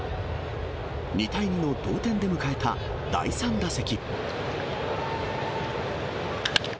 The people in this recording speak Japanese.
２対２の同点で迎えた第３打席。